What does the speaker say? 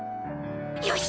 よし！